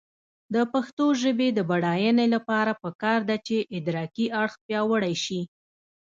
د پښتو ژبې د بډاینې لپاره پکار ده چې ادراکي اړخ پیاوړی شي.